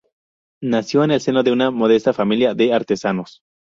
Nació en el seno de una modesta familia de artesanos.